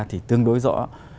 thì tương đối rõ